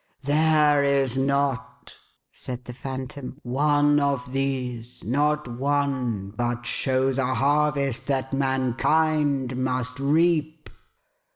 " There is not," said the Phantom, " one of these — not one — but shows a harvest that mankind MUST HEAP.